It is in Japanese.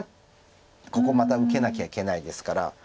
ここまた受けなきゃいけないですから。